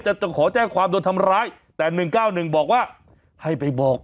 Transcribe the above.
จะจะขอแจ้งความโดนทำร้ายแต่หนึ่งเก้าหนึ่งบอกว่าให้ไปบอก